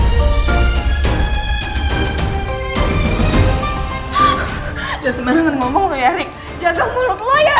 jangan sebarangan ngomong lu ya rik jaga mulut lu ya rik